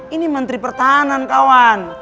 ini menteri pertahanan kawan